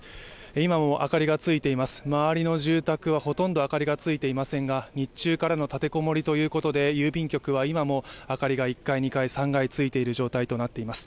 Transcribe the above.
今も明かりがついています、周りの住宅はほとんど明かりがついていませんが日中からの立てこもりということで郵便局は今も明かりが１階、２階、３階、ついている状態になっています。